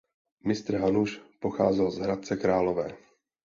Mistr Hanuš pocházel z Hradce Králové.